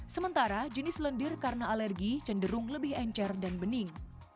sementara jenis lendir karena alergi cenderung lebih encer dan bening